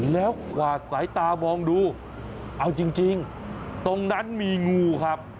แล้วกวาดสายตามองดูเอาจริงตรงนั้นมีงูครับ